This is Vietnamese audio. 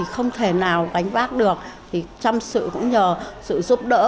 không thể nào gánh vác được chăm sự cũng nhờ sự giúp đỡ